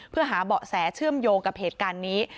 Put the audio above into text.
เพื่อหาเบาะแสเชื่อมโยงกับเหตุการณ์นี้